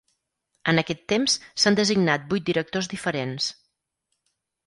En aquest temps s'han designat vuit directors diferents.